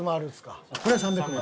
これは３００万？